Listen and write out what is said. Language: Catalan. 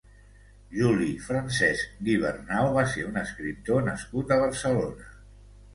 Juli Francesc Guibernau va ser un escriptor nascut a Barcelona.